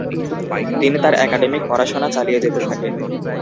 তিনি তার অ্যাকাডেমিক পড়াশোনা চালিয়ে যেতে থাকেন।